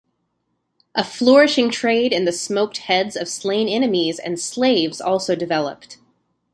A flourishing trade in the smoked heads of slain enemies and slaves also developed.